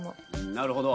なるほど。